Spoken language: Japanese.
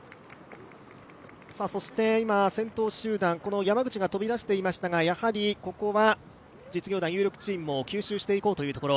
今、先頭集団、山口が飛び出していましたが、実業団有力チームも吸収していこうというところ。